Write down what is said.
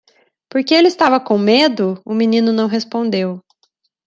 Porque ele estava com medo? o menino não respondeu.